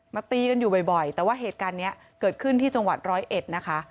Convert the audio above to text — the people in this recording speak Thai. ตีกันอยู่บ่อยแต่ว่าเหตุการณ์นี้เกิดขึ้นที่จังหวัดร้อยเอ็ดนะคะ